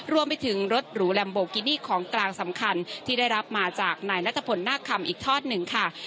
รวมไปถึงรถหรูแลมโบกินี่ของกลางสำคัญที่ได้รับมาจากนายนัทพลนาคคำอีกทอดหนึ่งค่ะ